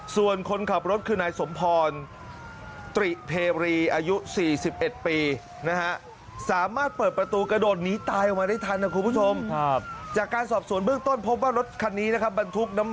ส่วนคนขับรถคือนายสมพรตริเพรีอายุ๔๑ปีนะฮะ